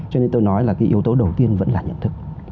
cho nên tôi nói là cái yếu tố đầu tiên vẫn là nhận thức